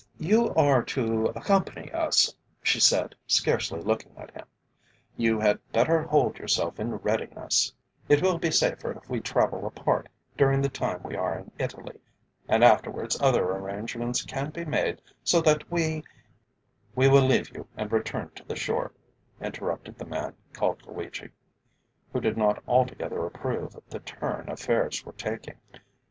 "If you are to accompany us," she said, scarcely looking at him, "you had better hold yourself in readiness. It will be safer if we travel apart during the time we are in Italy, and afterwards other arrangements can be made so that we " "We will leave you and return to the shore," interrupted the man called Luigi, who did not altogether approve the turn affairs were taking.